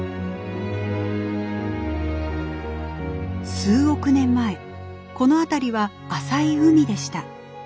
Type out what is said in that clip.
数億年前この辺りは浅い海でした。